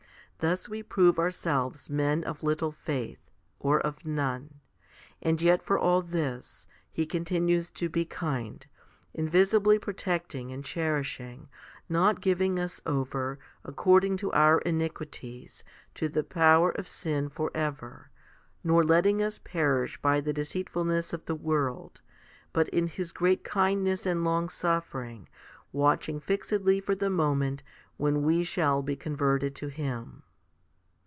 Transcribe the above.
Thus we prove ourselves men of little faith, or of none ; and yet for all this, He continues to be kind, invisibly protecting and cherishing, not giving us over, according to our iniquities, to the power of sin for ever, nor letting us perish by the deceitfulness of the world, but in His great kindness and longsuffering watching fixedly for the moment when we shall be converted to Him.